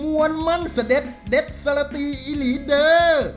มวลมั่นเสด็จเด็ดสละตีอิหลีเดอร์